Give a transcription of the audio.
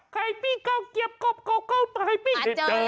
ไข่ปิ้งเกาะเกียบกอบกอบเกาะไข่ปิ้ง